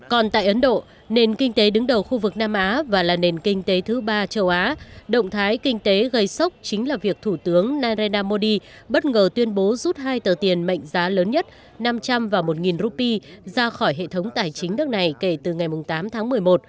còn tại ấn độ nền kinh tế đứng đầu khu vực nam á và là nền kinh tế thứ ba châu á động thái kinh tế gây sốc chính là việc thủ tướng narendra modi bất ngờ tuyên bố rút hai tờ tiền mệnh giá lớn nhất năm trăm linh và một rupee ra khỏi hệ thống tài chính nước này kể từ ngày tám tháng một mươi một